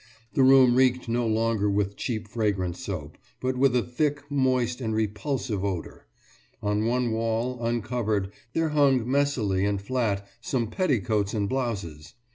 The room reeked no longer with cheap fragrant soap, but with a thick, moist and repulsive odour; on one wall, uncovered, there hung messily and flat some petticoats and blouses.